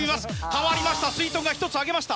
変わりましたすいとんが１つ上げました。